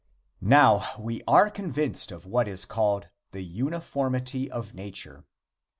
Now we are convinced of what is called the "uniformity of nature."